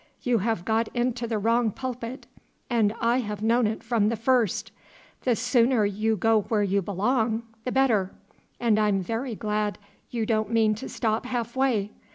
You have got into the wrong pulpit, and I have known it from the first. The sooner you go where you belong, the better. And I'm very glad you don't mean to stop half way.